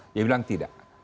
dia bilang tidak